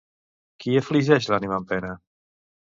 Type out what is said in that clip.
Què afligeix l'ànima en pena?